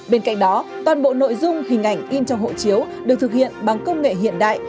bên cạnh đó toàn bộ nội dung hình ảnh in trong hộ chiếu được thực hiện bằng công nghệ hiện đại